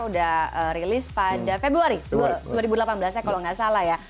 sudah rilis pada februari dua ribu delapan belas nya kalau nggak salah ya